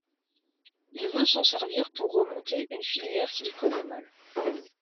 Il veut s'en servir pour remonter une filière qu'il connaît mal.